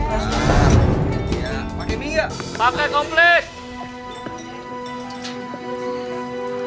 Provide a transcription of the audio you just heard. sekarang kamu cobain